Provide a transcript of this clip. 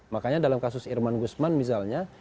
makanya dalam kasus irman guzman misalnya